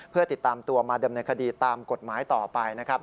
เพื่อติดตามตัวมาดำเนินคดีตามกฎหมายต่อไปนะครับ